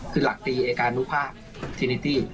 คือหลักตรีเอกานุภาพทรินิติ